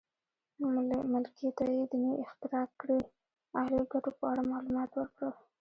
ملکې ته یې د نوې اختراع کړې الې ګټو په اړه معلومات ورکړل.